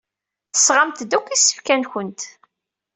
Tesɣamt-d akk isefka-nwent?